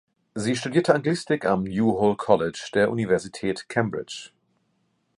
Sie studierte Anglistik am New Hall College der Universität Cambridge.